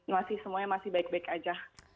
masih semuanya masih baik baik aja